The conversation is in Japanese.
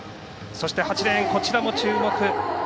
８レーン、こちらも注目。